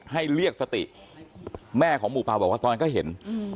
ให้เรียกสติแม่ของหมู่เปล่าบอกว่าตอนนั้นก็เห็น